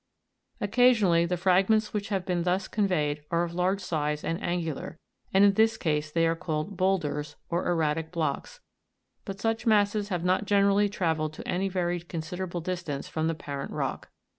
"Occasionally the fragments which have been thus conveyed are of large size and angular, and in this case they are called "boulders," or "erratic blocks ;" but such masses have not generally travelled to any very con siderable distance from the parent rock.